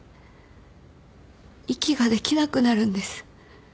息ができなくなるんです。